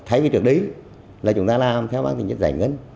thay vì trước đấy là chúng ta làm theo bán tỉnh nhất giải ngân